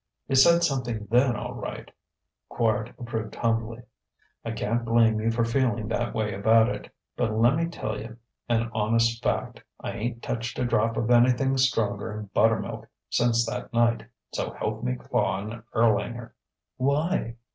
"You said something then, all right," Quard approved humbly. "I can't blame you for feeling that way about it. But le' me tell you an honest fact: I ain't touched a drop of anything stronger'n buttermilk since that night so help me Klaw and Erlanger!" "Why?"